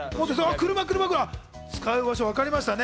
車、車、車、使う場所がわかりましたね。